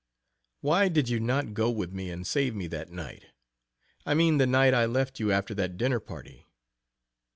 Why did you not go with me and save me that night? I mean the night I left you after that dinner party.